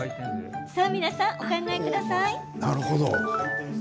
皆さん、お考えください。